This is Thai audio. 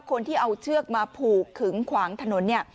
คนที่เอาเชือกมาผูกขึงขวางถนนเนี่ย